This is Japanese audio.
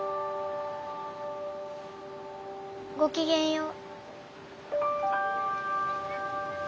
ごきげんよう。